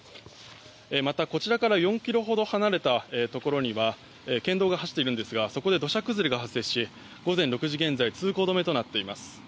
また、こちらから４ｋｍほど離れた場所には県道が走っているんですがそこで土砂崩れが発生し午前６時現在通行止めとなっています。